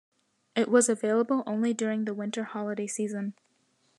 It was available only during the Winter holiday season.